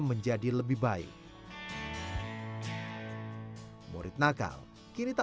selamat pagi atta